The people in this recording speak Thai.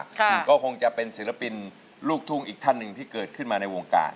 คือก็คงจะเป็นศิลปินลูกทุ่งอีกท่านหนึ่งที่เกิดขึ้นมาในวงการ